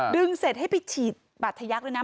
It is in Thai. ดึงเสร็จให้ไปฉีดบัตรทยักษ์ด้วยนะ